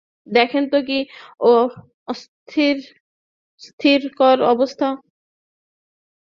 দেখুন তো কী অস্বস্তিকর অবস্থা।